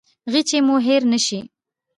غیچي مو هیره نه شي